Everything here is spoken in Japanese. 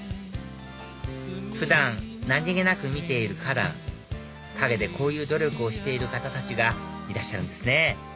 普段何げなく見ている花壇陰でこういう努力をしている方たちがいらっしゃるんですね